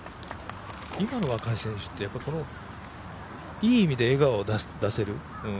今の若い選手って、いい意味で笑顔を出せる。